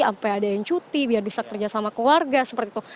sampai ada yang cuti biar bisa kerja sama keluarga seperti itu